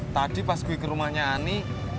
tadi pas gue ke rumahnya ani